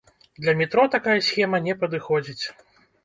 Для метро такая схема не падыходзіць.